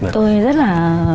tôi rất là